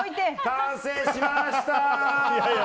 完成しましたよ！